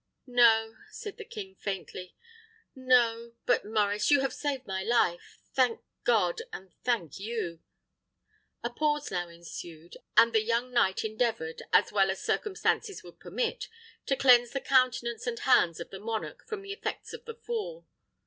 "No," said the king, faintly; "no. But, Maurice, you have saved my life. Thank God, and thank you!" A pause now ensued, and the young knight endeavoured, as well as circumstances would permit, to cleanse the countenance and hands of the monarch from the effects of the fall.